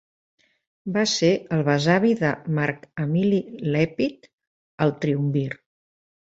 Va ser el besavi de Marc Emili Lèpid el triumvir.